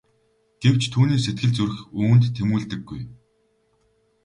Гэвч түүний сэтгэл зүрх үүнд тэмүүлдэггүй.